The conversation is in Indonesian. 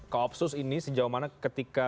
koopsus ini sejauh mana ketika